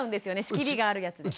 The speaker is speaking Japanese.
仕切りがあるやつで。